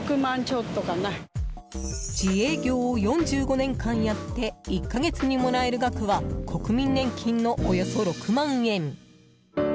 自営業を４５年間やって１か月にもらえる額は国民年金のおよそ６万円。